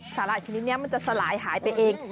ห่ายชนิดนี้มันจะสลายหายไปเอง